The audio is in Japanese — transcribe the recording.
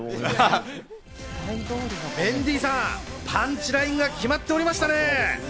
メンディーさん、パンチラインが決まってましたね。